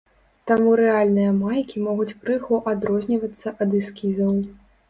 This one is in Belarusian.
Таму рэальныя майкі могуць крыху адрознівацца ад эскізаў.